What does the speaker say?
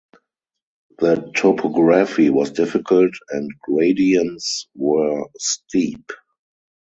The topography was difficult and gradients were steep.